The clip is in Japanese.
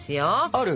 ある？